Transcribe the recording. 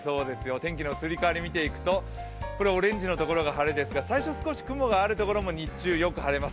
天気の移り変わりを見ていくとオレンジのところが晴れですが、最初少し雲がある所も日中よく晴れます。